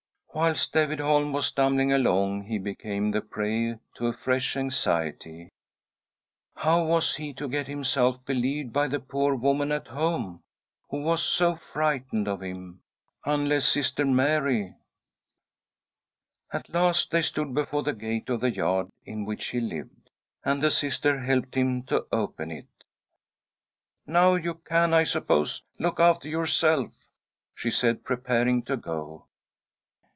Whilst David Holm was stumbling along, he became the prey to a fresh anxiety. How was he to get himself believed by the poor woman at home, who was so frightened of him, unless Sister Mary ■ At last they stood before the gate of the yard in which he lived, and the Sister helped him to open it. " Now you can, I suppose, look after yourself," she said, preparing to go.